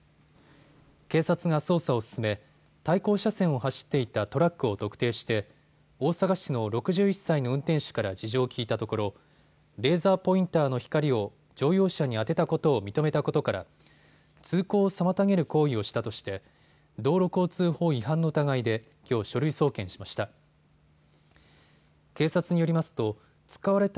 警察が捜査を進め、対向車線を走っていたトラックを特定して大阪市の６１歳の運転手から事情を聞いたところレーザーポインターの光を乗用車に当てたことを認めたことから通行を妨げる行為をしたとして道路交通法違反の疑いできょう書類送検しました。